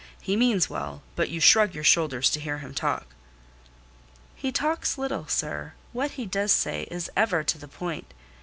He means well: but you shrug your shoulders to hear him talk?" "He talks little, sir: what he does say is ever to the point.